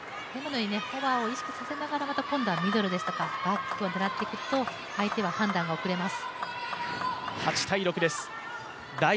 フォアを意識しながら今度はミドルですとかバックを狙っていくと相手は判断が遅れます。